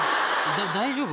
大丈夫？